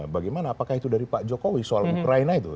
bagaimana apakah itu dari pak jokowi soal ukraina itu